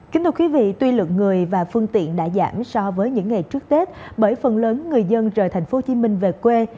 kính thưa quý vị tuy lượng người và phương tiện đã giảm so với những ngày trước tết bởi phần lớn người dân rời thành phố hồ chí minh về quê